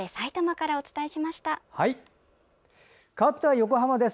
かわっては横浜です。